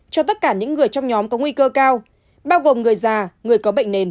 cho tất cả những người trong nhóm có nguy cơ cao bao gồm người già người có bệnh nền